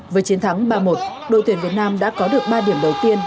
với chiến thắng ba một đội tuyển việt nam đã có được ba điểm đầu tiên